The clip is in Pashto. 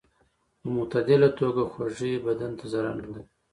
په معتدله توګه خوږې بدن ته ضرر نه لري.